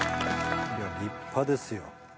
立派ですよ。